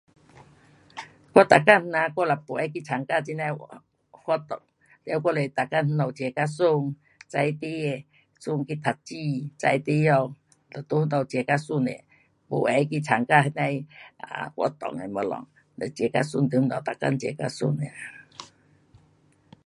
我每天那样我都不爱去参加这那的活动，嘞我是每天那家 jaga 孙，载孩儿孙去读书。在回家，就在家内 jaga 孙 nia，没闲去参加活动那样的 um 活动的东西，嘞每天 jaga 孙在家内，每天 jaga 孙 nia